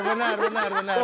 benar benar benar